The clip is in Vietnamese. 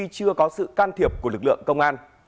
của lực lượng công an